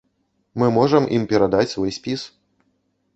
Мы можам ім перадаць свой спіс.